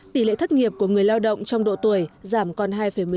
tỷ lệ thất nghiệp của người lao động trong độ tuổi giảm còn hai một mươi chín